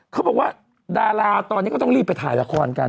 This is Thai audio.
เขาบอกว่าดาราตอนนี้ก็ต้องรีบไปถ่ายละครกัน